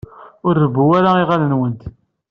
Ur rebbu ara iɣallen-nwent.